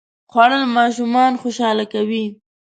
خوړل ماشومان خوشاله کوي